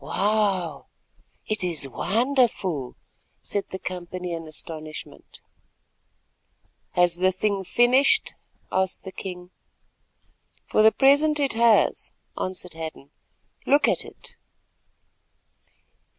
"Wow, it is wonderful!" said the company in astonishment. "Has the thing finished?" asked the king. "For the present it has," answered Hadden. "Look at it."